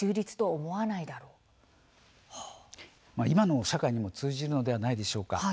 今の社会にも通じるのではないでしょうか。